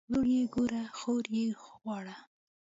ورور ئې ګوره خور ئې غواړه